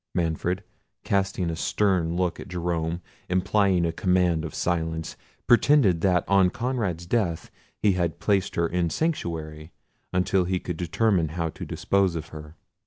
Manfred, casting a stern look at Jerome, implying a command of silence, pretended that on Conrad's death he had placed her in sanctuary until he could determine how to dispose of her.